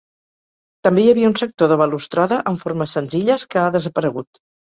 També hi havia un sector de balustrada, amb formes senzilles, que ha desaparegut.